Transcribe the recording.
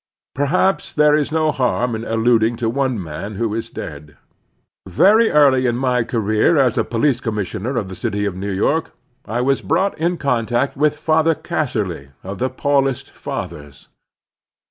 Perhaps there is no harm in alluding to one man who is dead. Very early in my career as a police commissioner of the city of New York I was brought in contact with Father Casserly of the Paulist Pathers.